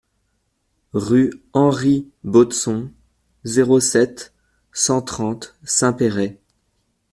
Rue Henri Baudson, zéro sept, cent trente Saint-Péray